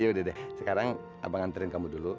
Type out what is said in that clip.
yaudah deh sekarang abang nganterin kamu dulu